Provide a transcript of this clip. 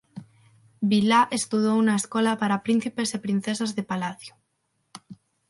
Billah estudou na escola para príncipes e princesas de palacio.